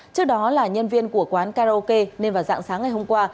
trước đó là nhân viên của quán karaoke nên vào dạng sáng ngày hôm qua